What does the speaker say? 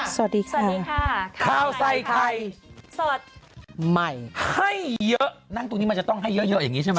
สวัสดีค่ะสวัสดีค่ะข้าวใส่ไข่สดใหม่ให้เยอะนั่งตรงนี้มันจะต้องให้เยอะอย่างนี้ใช่ไหม